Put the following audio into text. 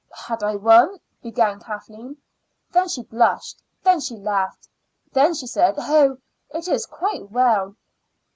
"Had I one?" began Kathleen. Then she blushed; then she laughed; then she said, "Oh, it's quite well."